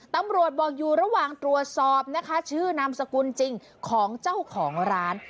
ตำรวจบอกอยู่ระหว่างตรวจสอบนะคะชื่อนามสกุลจริงของเจ้าของร้าน